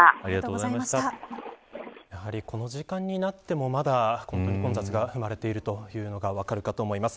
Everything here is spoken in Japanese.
やはり、この時間になってもまだ混雑が生まれているというのが分かるかと思います。